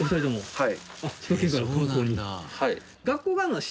はい。